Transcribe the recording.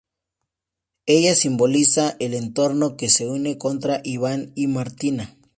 Ella simboliza el entorno que se une contra Ivan y Martina.